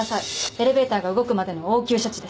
エレベーターが動くまでの応急処置です。